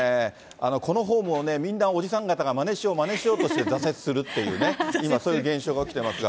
このフォームをね、みんなおじさん方がまねしよう、まねしようとして、挫折するっていうね、今、そういう現象が起きてますが。